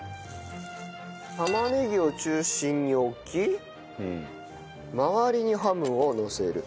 玉ねぎを中心に置き周りにハムをのせる。